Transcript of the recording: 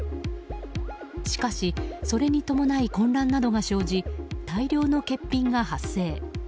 しかし、それに伴い混乱などが生じ大量の欠品が発生。